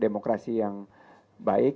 demokrasi yang baik